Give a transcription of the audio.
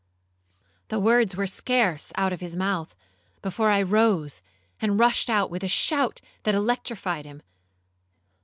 The words were scarce out of his mouth, before I rose, and rushed out with a shout that electrified him.